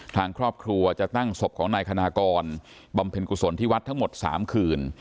ทางครอบครัวจะตั้งศพของนายคณากรบำเพ็ญกุศลที่วัดทั้งหมด๓คืน